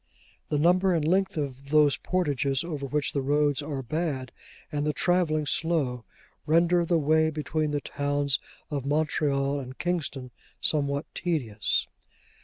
The number and length of those portages, over which the roads are bad, and the travelling slow, render the way between the towns of Montreal and Kingston, somewhat tedious.